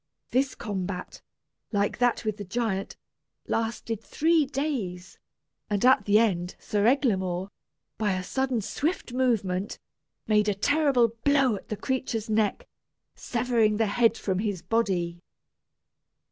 This combat, like that with the giant, lasted three days, and at the end Sir Eglamour, by a sudden swift movement, made a terrible blow at the creature's neck, severing the head from his body.